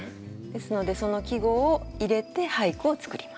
ですのでその季語を入れて俳句をつくります。